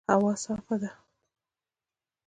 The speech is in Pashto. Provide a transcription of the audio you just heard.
هوا صافه ده